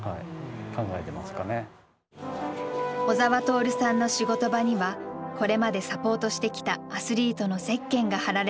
小澤徹さんの仕事場にはこれまでサポートしてきたアスリートのゼッケンが貼られています。